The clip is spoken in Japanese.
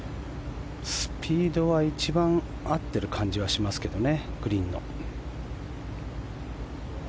スピードは一番合ってる感じがしますけどねグリーンの。